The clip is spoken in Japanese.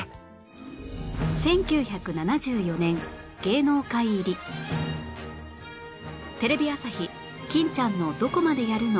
１９７４年芸能界入りテレビ朝日『欽ちゃんのどこまでやるの！？』